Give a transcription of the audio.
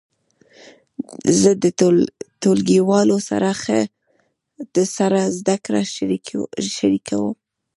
زه د ټولګیوالو سره زده کړه شریکوم.